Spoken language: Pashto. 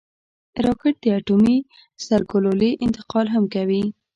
راکټ د اټومي سرګلولې انتقال هم کوي